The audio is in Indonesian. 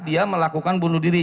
dia melakukan bunuh diri